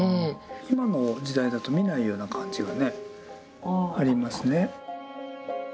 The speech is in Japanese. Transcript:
今の時代だと見ないような漢字がねありますね。